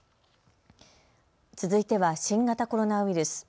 続いては新型コロナウイルス。